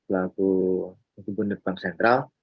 lalu bdb bank sentral